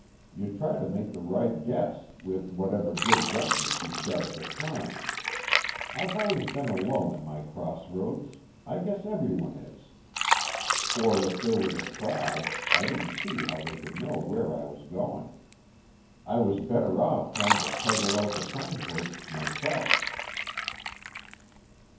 You try to make the right guess, with whatever good judgment you've got at the time. I've always been alone at my crossroads I guess everyone is. Or if there was a crowd, I didn't see how they could know where I was going. I was better off trying to puzzle out the signposts myself."